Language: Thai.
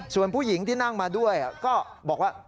ส่วนผู้หญิงที่นั่งมาด้วยก็บอกว่า